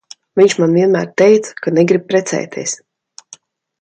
Viņš man vienmēr teica, ka negrib precēties.